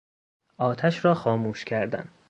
آتش را خاموش کردن